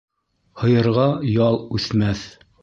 Һыйырға ял үҫмәҫ.